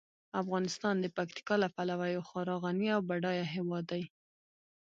افغانستان د پکتیکا له پلوه یو خورا غني او بډایه هیواد دی.